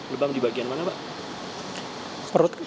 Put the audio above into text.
lebam di bagian mana pak